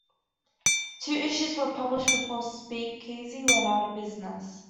Two issues were published before Speakeasy went out of business.